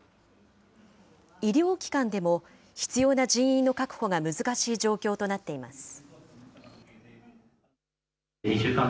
医療機関でも、必要な人員の確保が難しい状況となっています。